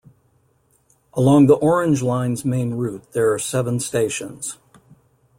Along the Orange Line's main route there are seven stations.